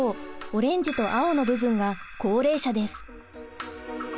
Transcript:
オレンジと青の部分が高齢者です。